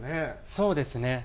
そうですね。